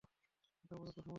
এটা উপযুক্ত সময় নয়।